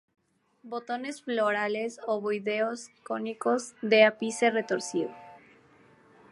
Botones florales ovoideo-cónicos, de ápice retorcido.